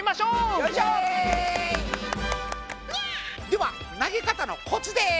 では投げ方のコツです。